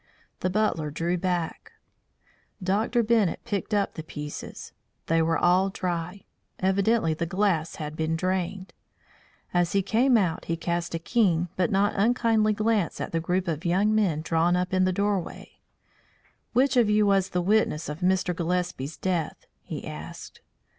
The butler drew back. Dr. Bennett picked up the pieces. They were all dry. Evidently the glass had been drained. As he came out he cast a keen but not unkindly glance at the group of young men drawn up in the doorway. "Which of you was the witness of Mr. Gillespie's death?" he asked.